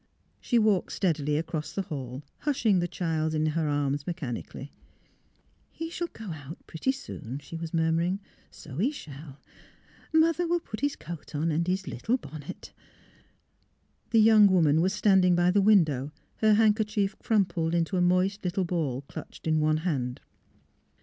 " She walked steadily across the hall, hushing the child in her arms, mechanically. '' He shall go out, pretty soon," she was mur muring. " So he shall ! Mother will put his coat on, and his little bonnet." The young woman was standing by the win dow, her handkerchief crumpled into a moist lit tle ball clutched in one hand.